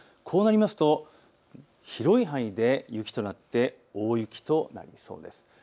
こうなりますと広い範囲で雪となって大雪となりそうです。